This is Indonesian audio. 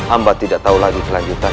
amba tidak tahu lagi kelanjutan